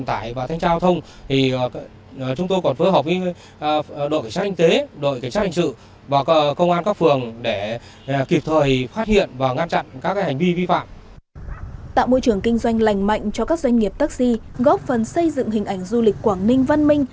tạo môi trường kinh doanh lành mạnh cho các doanh nghiệp taxi góp phần xây dựng hình ảnh du lịch quảng ninh văn minh